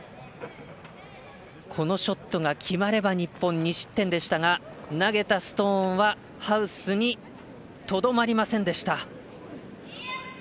このショットが決まれば日本、２失点でしたが投げたストーンはハウスにとどまりませんでした。